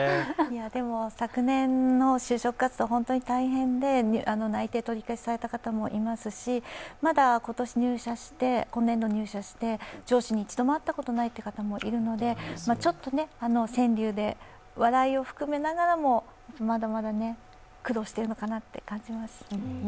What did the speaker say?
でも、昨年の就職活動、本当に大変で内定取り消された方もいますし、まだ今年度入社して、上司に一度も会ったことないって人もいるのでちょっと川柳で笑いを含めながらも、まだまだ苦労しているのかなと感じますね。